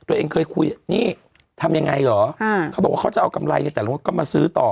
ตัวเองเคยคุยนี่ทำยังไงเหรอเขาบอกว่าเขาจะเอากำไรในแต่ละก็มาซื้อต่อ